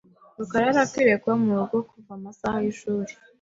rukara yari akwiye kuba murugo kuva amasaha yishuri .